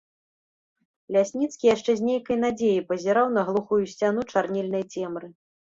Лясніцкі яшчэ з нейкай надзеяй пазіраў на глухую сцяну чарнільнай цемры.